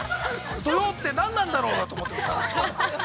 ◆「土曜ってなんなんだろう」だと思ってます、あの人は。